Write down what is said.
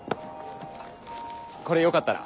これよかったら。